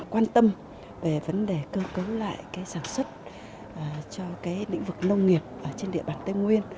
quan tâm về vấn đề cơ cấu lại sản xuất cho lĩnh vực nông nghiệp trên địa bàn tây nguyên